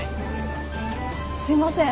すいません。